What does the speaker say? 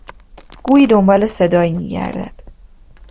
گویی دنبال صدایی میگردد